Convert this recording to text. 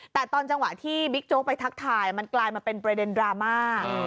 แต่ตอนจังหวะที่บิ๊กโจ๊กไปทักทายมันกลายมาเป็นประเด็นดราม่า